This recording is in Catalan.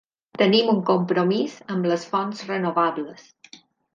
Tenim un compromís amb les fonts renovables.